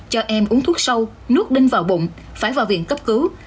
cho em uống thuốc sâu nước đinh vào bụng phải vào viện cấp cứu